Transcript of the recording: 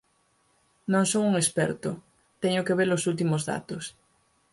"Non son un experto, teño que ver os últimos datos.